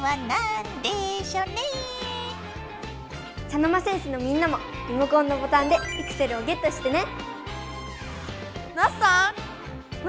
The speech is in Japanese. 茶の間戦士のみんなもリモコンのボタンでピクセルをゲットしてね。